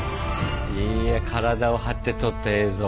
いや体を張って撮った映像。